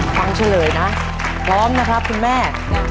เฉลยนะพร้อมนะครับคุณแม่